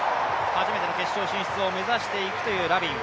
初めての決勝進出を目指していくというラビン。